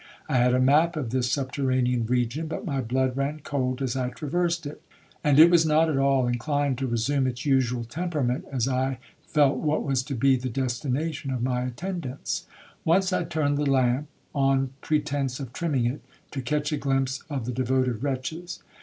I had a map of this subterranean region, but my blood ran cold as I traversed it; and it was not at all inclined to resume its usual temperament, as I felt what was to be the destination of my attendants. Once I turned the lamp, on pretence of trimming it, to catch a glimpse of the devoted wretches.